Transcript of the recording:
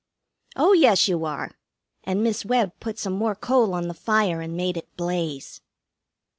"Oh yes, you are." And Miss Webb put some more coal on the fire and made it blaze.